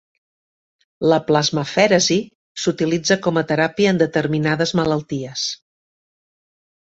La plasmafèresi s'utilitza com a teràpia en determinades malalties.